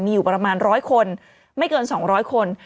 มีอยู่ประมาณ๑๐๐คนไม่เกิน๒๐๐คน